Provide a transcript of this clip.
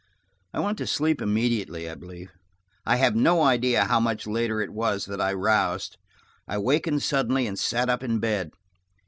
I went to sleep immediately, I believe. I have no idea how much later it was that I roused. I wakened suddenly and sat up in bed.